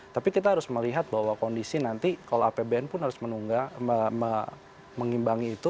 tapi kita harus melihat bahwa kondisi nanti kalau apbn pun harus menunggak mengimbangi itu